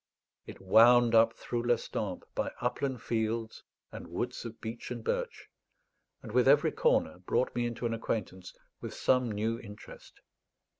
It wound up through Lestampes by upland fields and woods of beech and birch, and with every corner brought me into an acquaintance with some new interest.